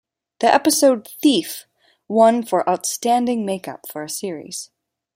The episode "Theef" won for Outstanding Makeup for a Series.